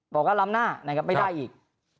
บอกว่าล้ำหน้าไม่ได้อีก